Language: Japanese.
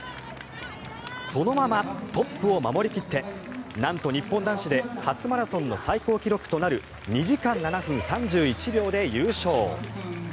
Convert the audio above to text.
そのままトップを守り切ってなんと日本男子で初マラソンの最高記録となる２時間７分３１秒で優勝。